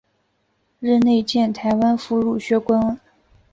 任内建台湾府儒学宫。